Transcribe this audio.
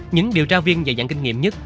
những điều tra viên và dạng kinh nghiệm nhất